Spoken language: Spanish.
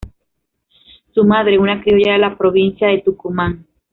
Su madre una criolla de la provincia de Tucumán.